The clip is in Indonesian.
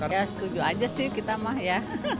ya setuju aja sih kita mah ya